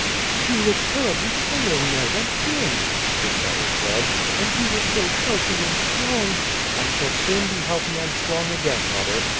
"But you look terribly pale, Ned, and thin," his mother said; "and you were so healthy and strong." "I shall soon be healthy and strong again, mother.